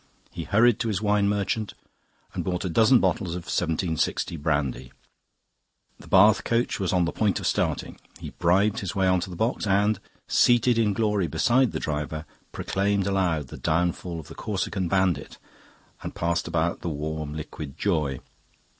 He hurried to his wine merchant and bought a dozen bottles of 1760 brandy. The Bath coach was on the point of starting; he bribed his way on to the box and, seated in glory beside the driver, proclaimed aloud the downfall of the Corsican bandit and passed about the warm liquid joy.